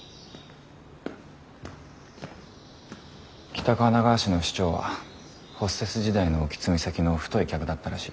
北神奈川市の市長はホステス時代の興津美咲の太い客だったらしい。